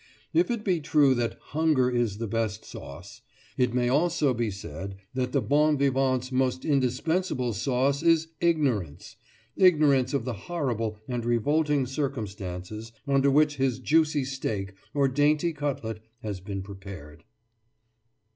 If it be true that "hunger is the best sauce," it may also be said that the bon vivant's most indispensable sauce is ignorance—ignorance of the horrible and revolting circumstances under which his juicy steak or dainty cutlet has been prepared.